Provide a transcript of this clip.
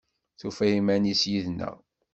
Tufa iman-is yid-neɣ?